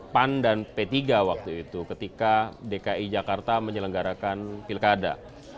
pan dan p tiga waktu itu ketika dki jakarta menyelenggarakan pilkada